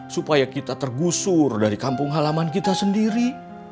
supaya kita tergusur dari kampung halaman kita sendiri